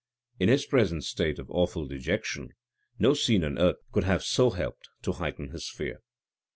In his present state of awful dejection, no scene on earth could have so helped to heighten his fear.